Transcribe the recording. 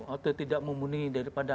atau tidak memenuhi daripada